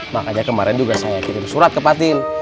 makanya kemarin juga saya kirim surat ke patin